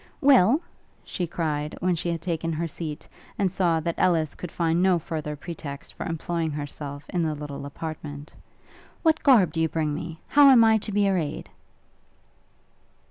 'Well,' she cried, when she had taken her seat, and saw that Ellis could find no further pretext for employing herself in the little apartment; 'what garb do you bring me? How am I to be arrayed?'